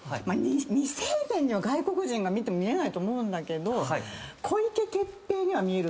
未成年には外国人が見ても見えないと思うんだけど。